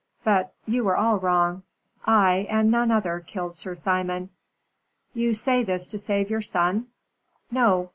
But you were all wrong. I, and none other, killed Sir Simon." "You say this to save your son?" "No.